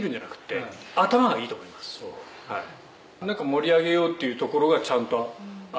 「盛り上げようっていうところがちゃんとある人」